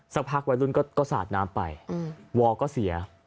สักพักวัยรุ่นก็สาดน้ำไปวอลก็เสีย